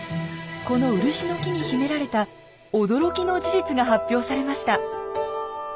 この漆の木に秘められた驚きの事実が発表されました。